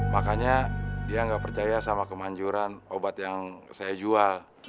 makanya dia nggak percaya sama kemanjuran obat yang saya jual